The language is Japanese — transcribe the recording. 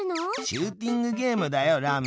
シューティングゲームだよラム。